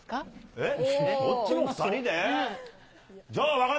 えっ？